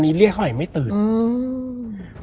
แล้วสักครั้งหนึ่งเขารู้สึกอึดอัดที่หน้าอก